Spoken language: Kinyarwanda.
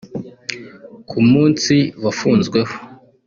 ku munsi wafunzweho